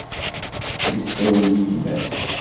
Yessawel i yemma-s.